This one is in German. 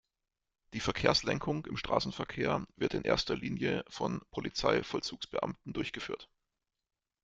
Die Verkehrslenkung im Straßenverkehr wird in erster Linie von Polizeivollzugsbeamten durchgeführt.